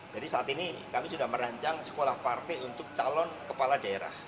jadi saat ini kami sudah merancang sekolah partai untuk calon kepala daerah